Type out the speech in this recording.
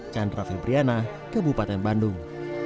chandra fibriana kebupaten bandung